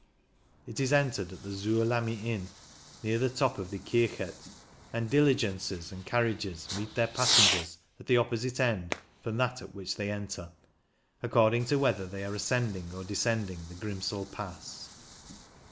It is entered at the Zur Lammi Inn, near the top of the Kirchet, and diligences and I 146 CYCUNG IN THE ALPS carriages meet their passengers at the opposite end from that at which they enter, according to whether they are ascending or descending the Grimsel Pass.